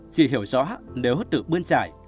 chị hiểu rõ nếu hứa tự bươn trải